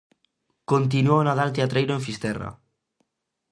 Continúa o Nadal teatreiro en Fisterra.